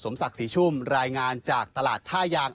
ศักดิ์ศรีชุ่มรายงานจากตลาดท่ายาง